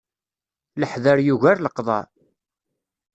Leḥder yugar leqḍaɛ.